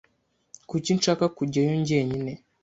Kuki nshaka kujyayo jyenyine?